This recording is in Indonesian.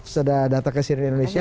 sudah datang ke sini indonesia